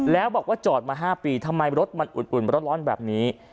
แล้วบอกว่าจอดมา๕ปีทำไมรถมันอุ่นร้อนแบบนี้